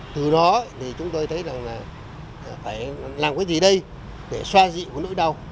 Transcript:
từ đó thì chúng tôi thấy rằng là phải làm cái gì đây để xoa dịu cái nỗi đau